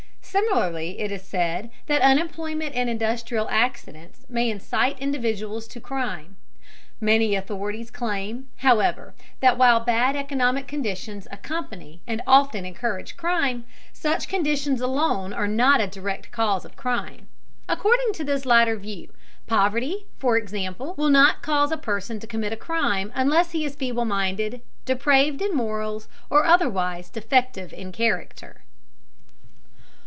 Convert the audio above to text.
Similarly, it is said that unemployment and industrial accidents may incite individuals to crime. Many authorities claim, however, that while bad economic conditions accompany and often encourage crime, such conditions alone are not a direct cause of crime. According to this latter view, poverty, for example, will not cause a person to commit a crime unless he is feeble minded, depraved in morals, or otherwise defective in character.